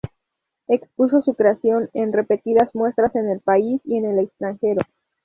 Expuso su creación en repetidas muestras en el país y en el extranjero.